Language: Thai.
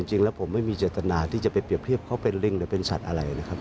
จริงแล้วผมไม่มีเจตนาที่จะไปเปรียบเทียบเขาเป็นลิงหรือเป็นสัตว์อะไรนะครับ